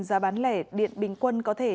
giá bán lẻ điện bình quân có thể